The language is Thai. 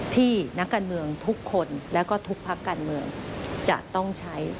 ที่นักการเมืองทุกคนแล้วก็ทุกพักการเมืองจะต้องใช้